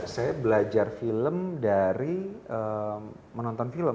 saya belajar film dari menonton film